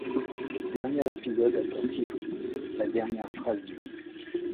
Le dernier épisode a pour titre la dernière phrase du livre.